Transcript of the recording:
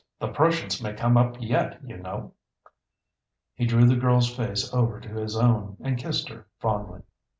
The Prussians may come up yet, you know!" He drew the girl's face over to his own, and kissed her fondly.